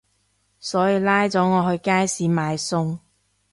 所以拉咗我去街市買餸